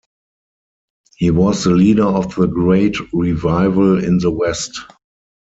He was the leader of the Great Revival in the West.